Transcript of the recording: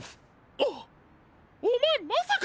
あっおまえまさか！？